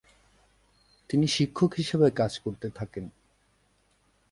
তিনি শিক্ষক হিসেবে কাজ করতে থাকেন।